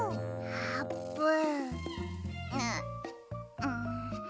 あーぷん。